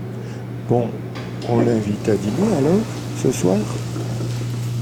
Bon. On l’invite à dîner alors. Ce soir ?